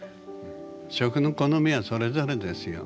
食の好みはそれぞれですよ。